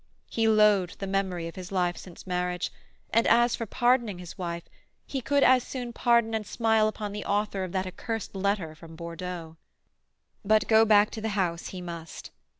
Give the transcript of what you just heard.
He loathed the memory of his life since marriage; and as for pardoning his wife, he could as soon pardon and smile upon the author of that accursed letter from Bordeaux. But go back to the house he must.